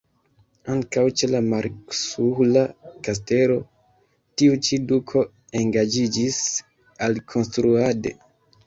Ankaŭ ĉe la marksuhla kastelo tiu ĉi duko engaĝiĝis alkonstruade.